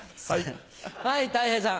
はいたい平さん。